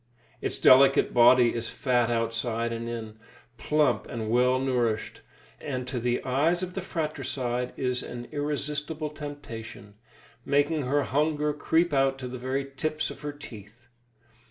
Its delicate body is fat outside and in, plump and well nourished, and to the eyes of the fratricide is an irresistible temptation, making her hunger creep out to the very tips of her teeth.